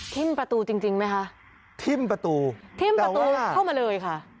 ประตูจริงจริงไหมคะทิ้มประตูทิ้มประตูเข้ามาเลยค่ะ